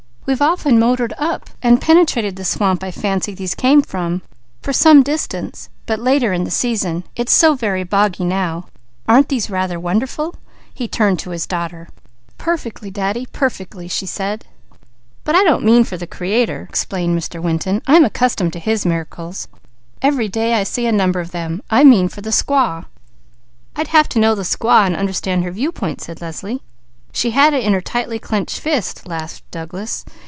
We've often motored up and penetrated the swamp I fancy these came from, for some distance, but later in the season; it's so very boggy now. Aren't these rather wonderful?" He turned to his daughter. "Perfectly, Daddy," she said. "Perfectly!" "But I don't mean for the Creator," explained Mr. Winton. "I am accustomed to His miracles. Every day I see a number of them. I mean for the squaw." "I'd have to know the squaw and understand her viewpoint," said Leslie. "She had it in her tightly clenched fist," laughed Douglas.